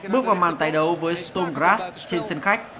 bước vào màn tài đấu với sturmgrast trên sân khách